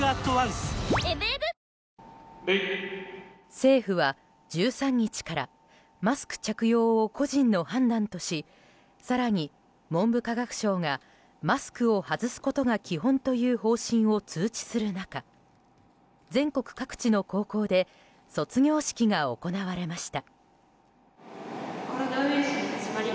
政府は１３日からマスク着用を個人の判断とし更に文部科学省がマスクを外すことが基本という方針を通知する中全国各地の高校で卒業式が行われました。